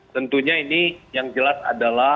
tentunya ini yang jelas adalah